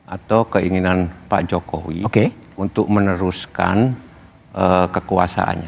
atau keinginan pak jokowi untuk meneruskan kekuasaannya